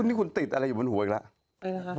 นี่คุณติดอะไรอยู่บนหัวอีกแล้ว